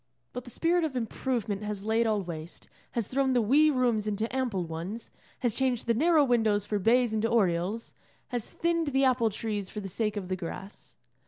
But the spirit of improvement has laid all waste, has thrown the wee rooms into ample ones, has changed the narrow windows for bays and oriels, has thinned the apple trees for the sake of the grass.